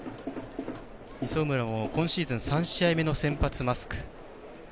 磯村も今シーズン３試合目の先発マスク。